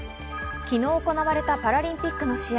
昨日行われたパラリンピックの試合。